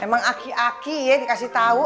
emang aki aki ya dikasih tahu